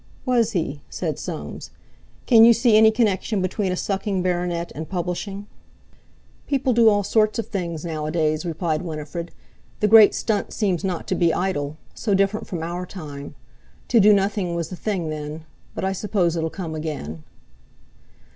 "Was he?" said Soames. "Can you see any connection between a sucking baronet and publishing?" "People do all sorts of things nowadays," replied Winifred. "The great stunt seems not to be idle—so different from our time. To do nothing was the thing then. But I suppose it'll come again."